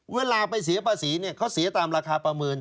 เวลาไปเสียภาษีเขาเสียตามราคาประเมิน